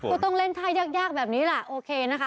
ก็ต้องเล่นท่ายากแบบนี้แหละโอเคนะคะ